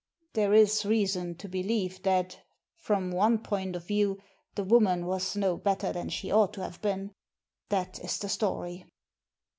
"There is reason to believe that, from one point of view, the woman was no better than she ought to have been. That is the story."